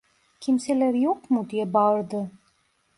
"Kimseler yok mu?" diye bağırdı.